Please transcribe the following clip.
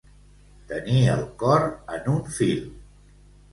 Tenir el cor en un fil.